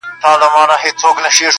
په کیسو ستړی کړې!